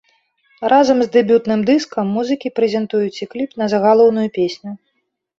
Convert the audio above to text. Разам з дэбютным дыскам музыкі прэзентуюць і кліп на загалоўную песню.